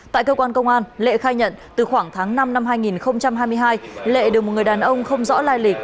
tại cơ quan công an lệ khai nhận từ khoảng tháng năm năm hai nghìn hai mươi hai lệ được một người đàn ông không rõ lai lịch